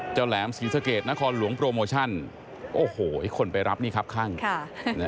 เจ้าแหลมสีสะเกียจนครหลวงโปรโมชั่นโอ้โหอีกคนไปรับนี่ครับข้างค่ะ